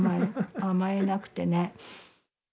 甘えなくてね。